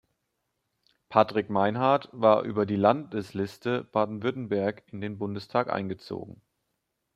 Patrick Meinhardt war über die Landesliste Baden-Württemberg in den Bundestag eingezogen.